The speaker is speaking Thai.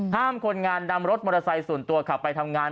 คนงานนำรถมอเตอร์ไซค์ส่วนตัวขับไปทำงาน